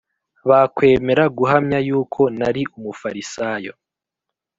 bakwemera guhamya yuko nari Umufarisayo